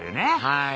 はい。